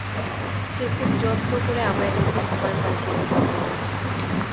সে খুব যত্ন করে আমায় রেঁধে খাবার পাঠিয়ে দিত।